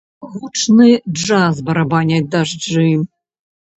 Гучны джаз барабаняць дажджы.